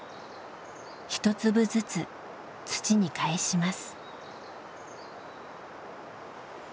１粒ずつ土にかえします。